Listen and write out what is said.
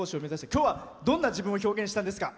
今日はどんな自分を表現したんですか？